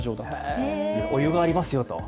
お湯があります。